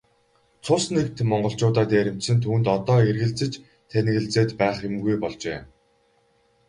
Цус нэгт монголчуудаа дээрэмдсэн түүнд одоо эргэлзэж тээнэгэлзээд байх юмгүй болжээ.